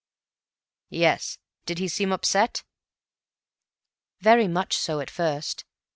"Yes. Did he seem upset?" "Very much so at first.